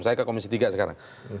saya ke komisi tiga sekarang